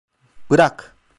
Bırak!